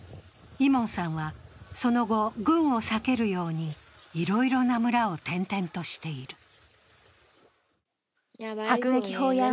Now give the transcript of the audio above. イモンさんはその後、軍を避けるようにいろいろな村を転々としている。